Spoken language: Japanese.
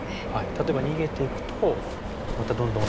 例えば逃げていくとまたどんどん追いかけて。